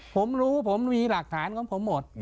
ผมรู้ผมมีหลักฐานของผมหมด